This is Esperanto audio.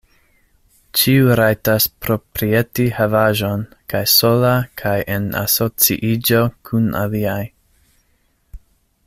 Ĉiu rajtas proprieti havaĵon, kaj sola kaj en asociiĝo kun aliaj.